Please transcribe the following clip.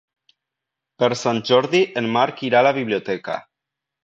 Per Sant Jordi en Marc irà a la biblioteca.